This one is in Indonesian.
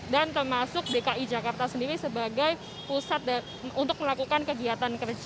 dan termasuk dki jakarta sendiri sebagai pusat untuk melakukan kegiatan kerja